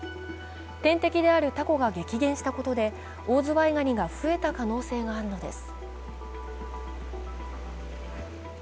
天敵であるたこが激減したことでオオズワイガニが増えた可能性があるのです。